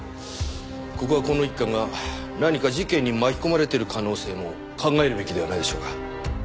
ここはこの一家が何か事件に巻き込まれている可能性も考えるべきではないでしょうか。